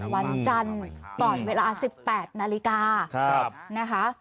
วันจันทร์ก่อนเวลา๑๘นาฬิกานะคะ